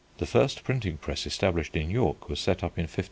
The first printing press established in York was set up in 1509.